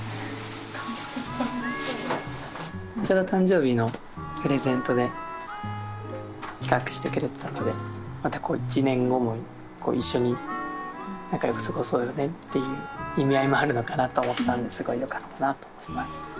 ちょうど誕生日のプレゼントでまた１年後も一緒に仲良く過ごそうねっていう意味合いもあるのかなと思ったんですごいよかったなと思います。